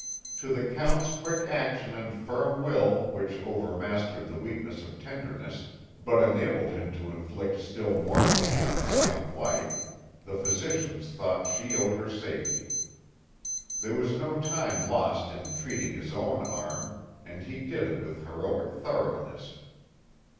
To the Count's quick action and firm will which overmastered the weakness of tenderness, but enabled him to inflict still more pain on his young wife, the physicians thought she owed her safety. There was no time lost in treating his own arm and he did it with heroic thoroughness.